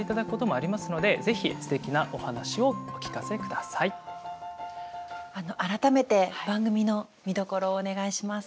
あの改めて番組の見どころをお願いします。